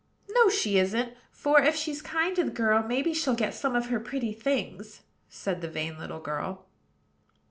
"No, she isn't; for, if she's kind to the girl, maybe she'll get some of her pretty things," said the vain little girl.